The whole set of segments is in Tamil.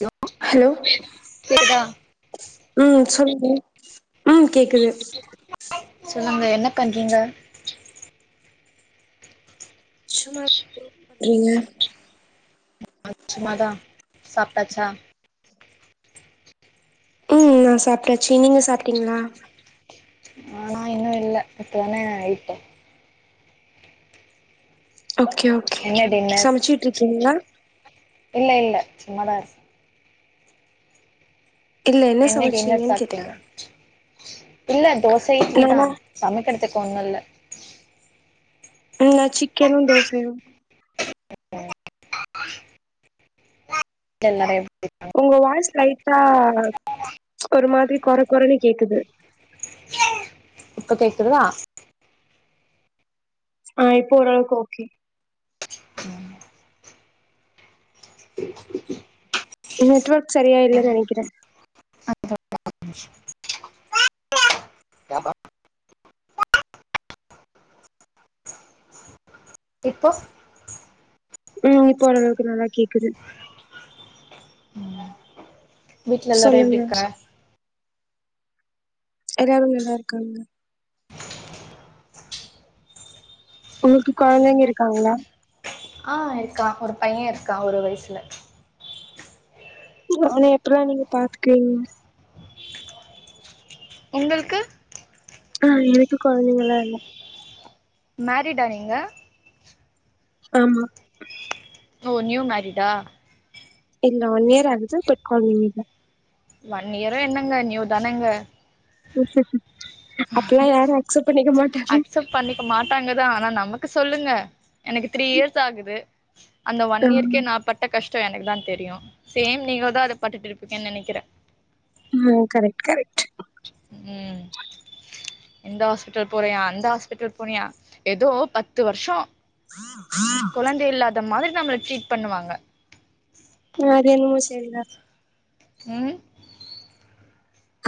ஹலோ ஹலோ கேக்குதா ம் சொல்லுங்க ம் கேக்குது சொல்லுங்க என்ன பண்றீங்க சும்மா [inaudible] றீங்க ஆ சும்மாதா சாப்ட்டாச்சா ம் நா சாப்ட்டாச்சு நீங்க சாப்ட்டீங்ளா ஆனா இன்னு இல்ல இப்ப ஒன்னே ஆயிட்டே ஓகே ஓ என்ன டின்னர் இல்ல இல்ல சும்மாதா இருக் இல்ல இன்னைக் என்ன சமச்சீங்கன்னு கேட்டே சாப்ட்டீங்க இல்ல தோச இட்லி தா நானா சமைக்றத்துக்கு ஒன்னு இல்ல ம் நா சிக்கனு டோசையு டெல்ல எப்டின்னு உங்க வாய்ஸ் லைட்டா ஒரு மாரி குற குறன்னு கேக்குது இப்ப கேக்கிர்தா ஆ இப்போ ஒரள்வுக்கு ஓகே நெட்வொர்க் சரியா இல்லன் நெனக்கிறே [inaudible] [unintelligible] இப்போ ம் இப்போ ஓரளவுக்கு நல்லா கேக்குது வீட்ல எல்லாரு எப்டி சொல்லுங்க இர்க்கர எல்லாரு நல்லார்க்காங்க உங்களுக்கு கொழந்தைங்க இருக்காங்ளா ஆ இருக்கா ஒரு பைய இருக்கா ஒரு வயசுல அவன எப்பல்லா நீங்க பாத்துக்குவீங்க உங்களுக்கு ஆ எனக்கு கொழந்தைங்களா இல்ல மேரிடா நீங்க ஆமா ஓ நியூ மேரிடா இல்ல ஒன் இயர் ஆகுது பட் கொழ்ந்திங்க இல்ல ஒன் இயரு என்னங்க நியூ தானங்க அப்பில்லா யாரு அக்சப் பண்ணிக்க மாட் அக்சப்ட் பண்ணிக்க மாட்டாங்கதா ஆனா நமக்கு சொல்லுங்க எனக்கு த்ரீ இயர்ஸ் ஆகுது அந்த ஒன் இயர்க்கே ம் நா பட் பட்ட கஷ்டோ எனக்கு தா தெரியு சேம் நீங்ளுதா அத பட்டிட் இருப்பீங்கன் நெனைக்கிறே ம் கரெட் கரெக்ட் ம் எந்த ஹாஸ்பிட்டல் போறியா அந்த ஹாஸ்பிட்டல் போனியா ஏதோ பத்து வர்ஷோ உஹம் உஹம் கொழந்தை இல்லாத மாதிரி நம்மள ட்ரீட் பண்ணுவாங்க ன அது என்மோ செரிதா ம்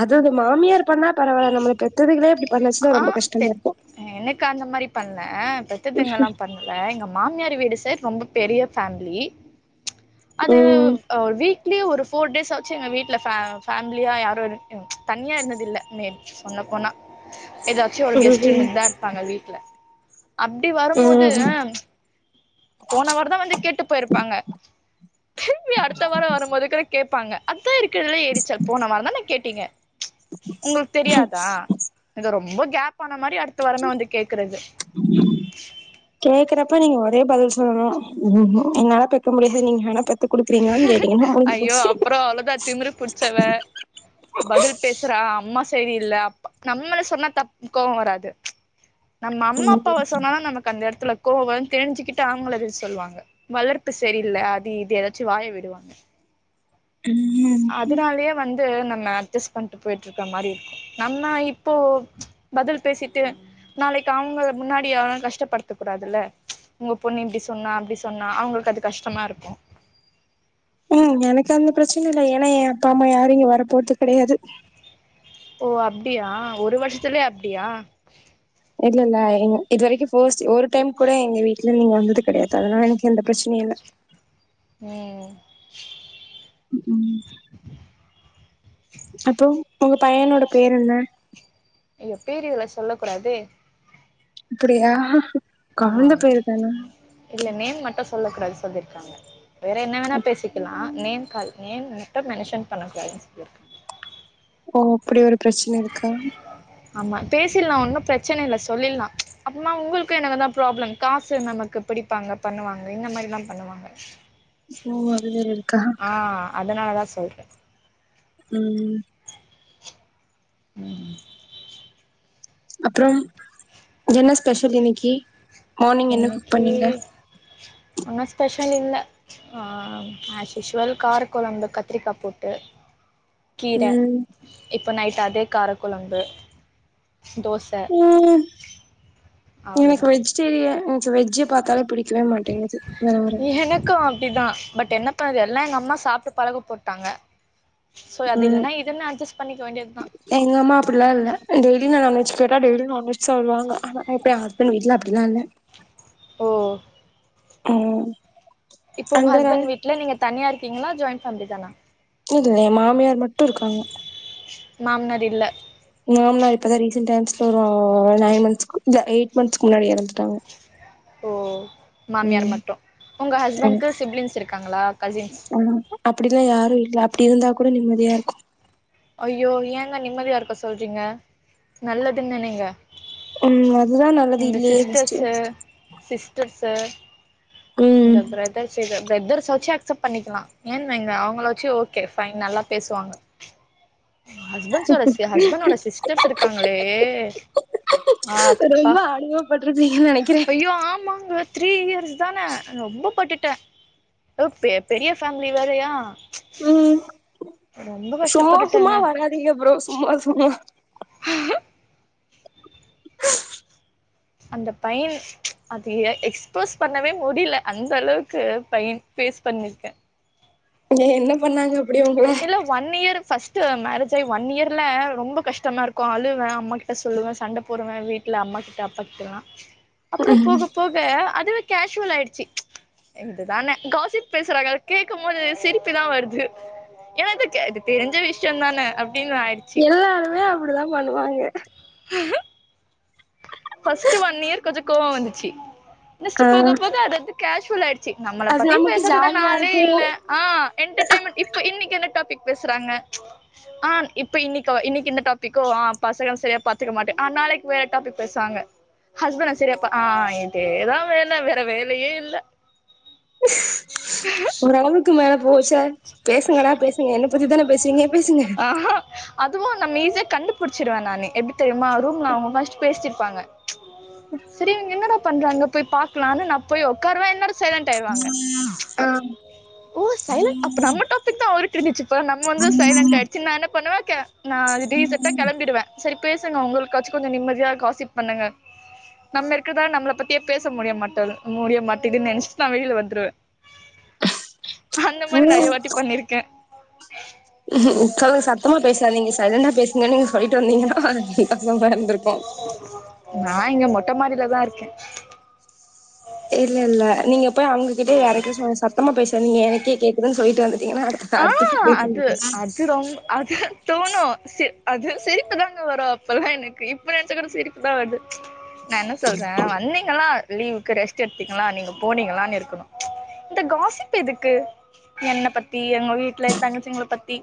அது அது மாமியார் பண்ணா பரவால்ல நம்மள பெத்ததுகளே இப்டி பண்ணுச்சுன்னா ஆ ரொம்ப கஷ்டமா பெத் இருக்கு எனக்கு அந்த மாதிரி பண்ணல பெத்ததுங்கலா பண் லே எங்க மாமியார் வீடு சைட் ரொம்ப பெரிய ஃபேம்லி அது ம் ஒ வீக்லி ஒரு ஃபோர் டேஸ்ஸாது சு எங்க வீட்ல ஃபே ஃபேம்லியா யாரு இருக்க தனியா இருந்ததில்ல மே சொன்ன போனா ஏதாச்சு ஒரு கெஸ்ட்டு ம் இர்ந்திந்த இருப்பாங்க வீட்ல அப்டி வரும்போது ம் போன வாரந்தா வந்து கேட்டு போயிருப்பாங்க திரும்பி அடுத்த வார வரும்போது கூட கேப்பாங்க அதா இருக்கிறதுல ஏரிச்சல் போன வாரந்தான கேட்டீங்க உங்களுக்கு தெரியாதா எதோ ரொம்ப கேப் ஆன மாரி அடுத்த வாரமே வந்து கேக்குறது உ கேக்குறப்ப நீங்க ஒரே பதில் சொல்லணு என்னால பெக்க முடியாது நீங்க வேனா பெத் ஐயோ அப்ரோ அவ்ளோதா திமிரு புச்சவ பதில் பேசுறா அம்மா சரியில்ல அப் நம்மள சொன்னா தப் கோவ வராது நம்ம அம்மா ம் அப்பாவ சொன்னா தா நமக் அந்த எடத்துல கோவ வருன் தெரிஞ்சிகிட் அவங்கள எ சொல்லுவாங்க வளர்ப்பு சரியில்ல அது இது ஏதாச்சு வாய விடுவாங்க ம் அதனாலயே வந்து நம்ம அட்ஜஸ்ட் பண்ணிட் போயிட் இருக்க மாரி இருக்கு நம்ம இப்போ பதில் பேசிட்டு நாளைக் அவங்கள முன்னாடி யாரும் கஷ்டப்படுத்த கூடாதில்ல உங்க பொண்ணு இப்படி சொன்னா அப்டி சொன்னா அவங்களுக்கு அது கஷ்டமா இருக்கு ம் எனக்கு அந்த பிரச்சன இல்லை ஏனா ஏ அப்பா அம்மா யாரு இங்க வர போறது கடையாது ஓ அப்டியா ஒரு வருஷத்துலயே அப்டியா இல்லல்ல எங் இது வரைக்கு ஃபோஸ் ஒரு டைம் கூட எங்க வீட் இல்ல நீங்க வந்தது கடையாதா எனக் எந்த பிரச்சனையு இல்ல ம் ம் அப்ரோ உங்க பையனோட பேரு என்ன ஐயோ பேர் இதல சொல்ல கூடாதே அப்டியா ஆமா ஆமா இல்ல நேம் மட்டு சொல்ல கூடாது சொல்லியிருக்காங்க வேற என்ன வேணா பேசிக்கலா அ நேம் கால் நேம் மட்டு மெனுஷன் பண்ணக் கூடாதுன் சொல்லி இருக் ஓ அப்டி ஒரு பிரச்சன இருக்கா ஆமா பேசிலா ஒன்னு பிரச்சன இல்ல சொல்லில்லா அப்புமா உங்ளுக்கு எனக்கு தா ப்ராப்ளம் காசு நமக்கு பிடிப்பாங்க பண்ணுவாங்க இந்த மாரிலா பண்ணுவாங்க ஆஸ் சோ அது வேற இருக்கா அதனால தா சொல்ற ம் ம் அப்ரோ என்ன ஸ்பெஷல் இன்னக்கி மானிங் என்ன குக் இன்னைக்கு பண்ணீங்க ஒன்னு ஸ்பெஷல் இல்ல ஆ ஆஸ்விஷ்வல் கார கொழம்பு கத்திரிக்கா போட்டு கீர ம் இப்போ நைட் அதே கார கொழம்பு தோச ம் எனக்கு அவ்ளோதா வெஜ் சரி எனக்கு வெஜ்ஜே பாத்தாலே பிடிக்கவே மாட்டேங்கிது வர வர எனக்கு அப்டிதா பட் என்ன பண்ணறது எல்லா எங்க அம்மா சாப்ட்டு பழக போட்டாங்க சோ அது இல்லன்னா இதுன் அட்ஜஸ் பண்ணிக்க வேண்டியத்தா எங்கம்மா அப்டில்லா இல்ல டெய்லியு நான்வெஜ் கேட்ட டெய்லியு நான்வெஜ் சாப்டுவாங்க ஆனா இப்ப ஏ ஹஸ்பண் வீட்ல அப்டியெல்லா இல்ல ஓ ம் இப்ப உங்க அங்க நான் ஹஸ்பண்ட் வீ்ட்ல நீங்க தனியா இருக்கீங்களா ஜாயின் ஃபேம்லி தானா இல்ல இதுவே மாமியார் மட்டு இருக்காங்க மாம்னார் இல்ல மாமனார் இப்பதா ரீசன்டா [unintelligible] ஒரு நைன் மன்ஸ் இல்ல எயிட் மன்ஸ்சுகு முன்னாடி எறந்துட்டாங்க ஓ மாமியார் ம் மட்டு உங்க ஹஸ்பண்ட்கு சிப்லிங்ஸ் இருக்காங்ளா கசின்ஸ் ம் அப்டிலா யாரும் இல்ல அப்டி இருந்தா கூட நிம்மதியா இருக்கு ஐயோ ஏங்க நிம்மதியா இருக்க சொல்றீங்க நல்லது நென்னனைங்க ம் அதுதா நல்லது இதுலையே பாஸ்டு சிஸ்டர்சு ம் இந்த பிரதர்ஸ்சு சைடு பிரதர்ஸ் ஆச்சு அட்சாப் பண்ணிக்கலா ஏன் வைங்க அவுங்களச்சு ஓகே பைன் நல்லா பேசுவாங்க ஹஸ்பண்ட்ஸ்டோ ஹஸ்பண்டோட சிஸ்டர்ஸ்சு இருக்காங்களே அப்பா ரொம்ப அனுபவ பட்ருக் ஐயோ ஆமாங்க த்ரீ இயர்ஸ் தானே ரொம்ப பட்டுட்டே ஓ பெ பெரிய ஃபேமிலி வேறயா ம் ரொம்ப சும்மா சும்மா கஷ்டப்பட்டுட்டேங்க வராதீங்க ப்ரோ சும்மா சும்மா [unintelligible] ச்சு அந்த பையா அது எக் எக்ஸ்போஸ்சு பண்ணவே முடியல அந்த அளவுக்கு பையன் பேஸ் பண்ணிருக்கே இல்ல என்ன பண்ணாங்க அப்புடி உங்கள இல்ல ஒன் இயர் பஸ்ட்டு மேரேஜ் ஆயி ஒன் இயர்ல ரொம்ப கஷ்டமா இருக்கு அழுவே அம்மாக் சொல்லுவே சண்டை போடுவே வீட்டுல அம்மா கிட்ட அப்பா கிட்டலா அப்புறே போக போ க அதுவே கேஸ்சுவல் ஆயிடுச்சு இது தானே காசிப் பேசுறாங்க கேட்க போது சிரிப்பு தா வருது ஏன்னா இது கே இது தெரிஞ்ச விஷயம் தானே அப் எல்லாருமே அப்புடிதா பண்ணுவாங்க ம் ஃபர்ஸ்ட்டு ஒன் இயர் கொஞ்ச கோவே வந்துச்சு ஆ நெக்ஸ்ட்டு போக போக அது வந்து கேஸ்சுவல் ஆயி டுச்சு நம்மளை அது பத்தி நமக்கு பேசதுதா ஜாலியா நாளே இருக்கு இல்ல ஆ என்டர்டெயன்மெண்ட் இப்ப இன்னைக்கு என்ன டாபிக் பேசுறாங்க ஆ இப்ப இன்னைக்கு இன்னைக்கு இந்த டாபிகோ ஆ பசங்குள சரியா பாத்துக்க மாட்டே ஆ நாளைக்கு வேற டாப்பிக் பேசு வாங்க ஹ்ஸ்பன்டு சரி ஆப்பா ஆ இதா வேலை வேற வேலையே இல்ல அளவுக்கு மேல போச்ச பேசுங்கடா பேசுங்க என்னை பத்தித்தானே பேசுவீங்க பேசுங்க ஆஹா அதுவு நம்ம ஈஸியா கண்டுபிடிச்சிருடுவே நானு எப்புடி தெரியுமா ரூம்ல அவுங்க பஃஸ்ட்டு பேசிட்டு இருப்பாங்க சரி இங்க என்னடா பண்றாங்க போயி பாக்கலாம்னு நா போயி உட்கார்ருவே என்னேட சைலன்ட் ஆயிருவாங்க ஆ ஓ சைலண்ட் அப்ப நம்ம டாபிக் தா ஓடிட்டு இருந்துச்சு அப்போ நம்ம வந்து சைலண்ட் ஆயிடுச்சு நா என்ன பண்ணுவே நா டீசட்டா கிளம்பிடுவே சரி பேசுங்க உங்களுக்காச்சும் கொஞ்ச நிம்மதியா காசிப் பண்ணுங்க நம்ம இருக்கிறதால நம்மள பத்தியே பேச முடிய மாட்ட முடிய மாட்டேதுன்னு நெனச்சிட்டு நா வெளியில வந்துருவே அந்த மாறி நெறைய ம் வாட்டி பண்ணிருக்கே சொல்லுங் சத்தமா பேசாதீங்க சைலண்டா பேசுங்கன்னு நீங்க சொல்லிட்டு வந்தீங்கன்னா சும்மா இருந்திருப்பே நா இங்க மொட்ட மாடில தா இருக்கே இல்ல இல்ல நீங்க போயி அவுங்ககிட்டே வேற ரிக்வெஸ்டா சத்தமா பேசதீங்க எனக்கே கேக்குதுன்னு சொல்லிட்டு வந்துட்டீங்கன்னா ஆ அங்கிட்டு போய் போயி அது பேசு அது ரொம் அது தோணு சி அது சிரிப்பு தாங்க வரும் அப்பல்லா எனக்கு இப்ப நெனச்சா கூட சிரிப்பு தா வருது நா என்ன சொல்றே வந்தீங்களா லீவுக்கு ரெஸ்ட் எடுத்தீங்ளா நீங்க போனீங்களான் இருக்கணு இந்த காசிப் எதுக்கு என்ன பத்தி எங்க வீட்ல என் தங்கச்சிங்ள பத்தி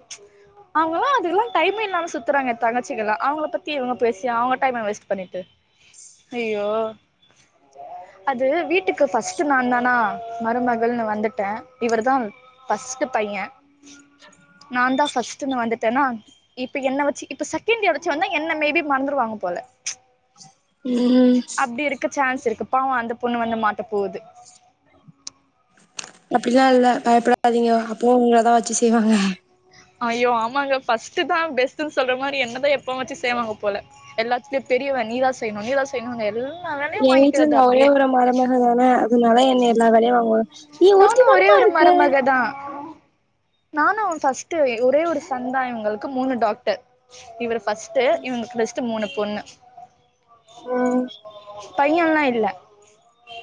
அவங்கல்லா அதுகல்லா டைம்மே இல்லாம சுத்துறாங்க தங்கச்சிகல்லா அவங்கள பத்தி இவங்க பேசி அவங்க டைம் வேஸ்ட் பண்ணிட்டு ஐயோ அது வீட்டுக்கு ஃபஸ்ட் நான் தானா மருமகள்னு வந்துட்டேன் இவர்தான் ஃபஸ்ட்டு பையன் நான் தான் ஃபஸ்ட்டுனு வந்துட்டேன்னா இப்ப என்ன வச்சு இப்ப செகண்ட் இயர் வச்சு வந்தா என்ன மேபி மறந்துருவாங்க போல ம் அப்டி இருக்க சான்ஸ் இருக்கு பாவம் அந்த பொண்ணு வந்து மாட்ட போது அப்டிலாம் இல்ல பயப்படாதீங்க அப்போ உங்கள தா வச்சு செய்வாங்க ஐயோ ஆமாங்க ஃபர்ஸ்ட் தா பெஸ்ட்ன்னு சொல்ற மாரி என்னதான் எப்ப வச்சும் செய்வாங்க போல எல்லாத்துலேயு பெரியவ நீதா செய்யணு நீதா செய்யணு எல்லா வேலையு என் வீட்ல வாங்கிக்கிறது நான் ஒரே அப்டியே ஒரு மருமக தானே அதனால என்ன எல்லா வேலையும் வாங்குவாங் நீ நானு ஒருத்தி ஒரே தானமா ஒரு இருக்க மருமக தா நானு ஃப்ர்ஸ்ட் ஒரே ஒரு சன் தா இவங்களுக்கு மூனு டாடர் இவரு ஃபர்ஸ்ட் இவங்களு நெஸ்ட்டு மூணு பொண்ணு ம் பையன்லா இல்ல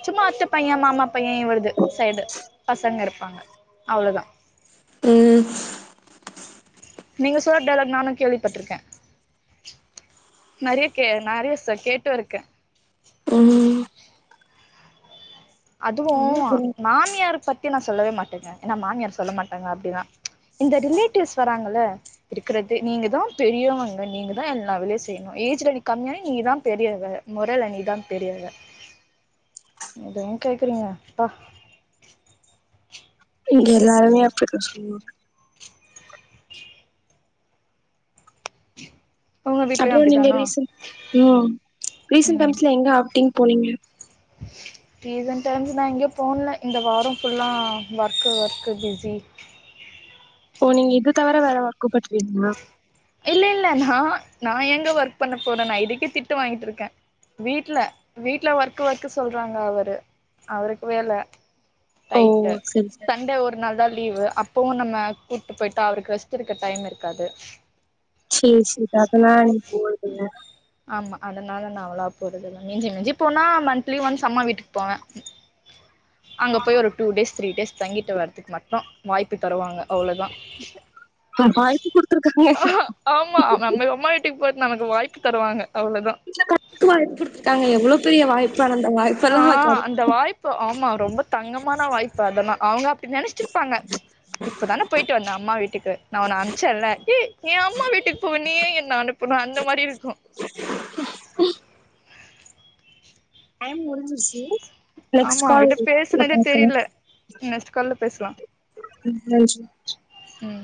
சும்மா அத்த பையன் மாமா பையன் இவருது சைடு பசங்க இருப்பாங்க அவ்வள தான் ம் நீங்க சொல்லர டயலாக் நானும் கேள்விப்பட்ருக்கே நெறைய கே நெறைய ச கேட்டு இருக்கே ம் அதுவு ம் மாமியார் பத்தி நான் சொல்லவே மாட்டேங்க ஏன்னா மாமியார் சொல்ல மாட்டாங்க அப்டின்னா இந்த ரிலேட்டிவ்ஸ் வராங்கல்ல இருக்கிறது நீங்க தான் பெரியவங்க நீங்க தான் எல்லா வேலயும் செய்யணு ஏஜ்ல நீ கம்மியானே நீ தான் பெரியவ மொரள நீ தான் பெரியவ அத ஏன் கேக்குறீங்க அப்பா இங்க எல்லாருமே அப்டித்தா சொல்லுவாங்க உங்க வீட்லயு அப்றோ நீங்க அப்டிதானா ரீசன்ட் ம் ரீசன்ட் டைம்ஸ்ல எங்க அவுட்டிங் போனீங்க ரீசன் டைம்ஸ் நா எங்கயு போன்ல இந்த வாரம் ஃபுல்லா ஒர்க்கு ஒர்க்கு பிஸி ஓ நீங்க இது தவிர வேற ஒர்க் பண்றீங்ளா இல்ல இல்ல நா நா எங்க ஒர்க் பண்ண போறே நா இதுக்கே திட்டு வாங்கிட்ருக்கேன் வீட்ல வீட்ல ஒர்க் ஒர்க் சொல்றாங்க அவரு அவருக்கு வேல ஓ டைட்டு சரி சரி சண்டே ஒரு நாள் தான் லீவு அப் போ நம்ம கூப்ட்டு போய்ட்டா அவருக்கு ரெஸ்ட் எடுக்க டைம் இருக்காது சேர் சேர் அதனா நீ போதுங்க ஆமா அதனா நா அவளா போறதில்ல மிஞ்சி மிஞ்சி போனா மந்த்லி ஒன்ஸ் அம்மா வீட்டுக்கு போவே அங்க போய் ஒரு டூ டேஸ் த்ரீ டேஸ் தங்கிட்டு வரதுக்கு மட்டு வாய்ப்பு தருவாங்க அவ்ள தான் இப்ப வாய்ப்பு குடுத்துருக்காங்க ஆமா நம்ம அம்மா வீட்டுக்கு போறதுக்கு நமக்கு வாய்ப்பு தருவாங்க அவ்ளோதா வீட்ல கண [unintelligible] வாய் குடுத்துக்காங்க எவ்ளோ பெரிய வாய்ப்பு அந்த வாய்ப்புல்லா கெடக்கிமா இப்போ ஆமா ரொம்ப தங்கமான வாய்ப்பு அதனா அவங்க அப்டி நினச்சிருப்பாங்க இப்பதானே போயிட்டு வந்த அம்மா வீட்டுக்கு நா உன்ன அம்சேல ஏ அம்மா வீட்டுக்கு போவ நீ ஏன் என்ன அனுப்புனு அந்த மாரி இருக்கும் டைம் முடிஞ்சு சோ நெக்ஸ் ஆமா கால் அவங்கிட்ட பேசுனதே பாக்கலாம் தெரில நெக்ஸ்ட் இம்மோஷன் ம்